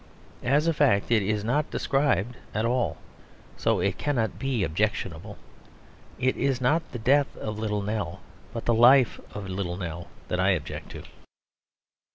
As a fact it is not described at all; so it cannot be objectionable. It is not the death of Little Nell, but the life of Little Nell, that I object to.